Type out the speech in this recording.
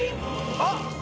あっ！